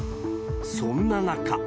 そんな中。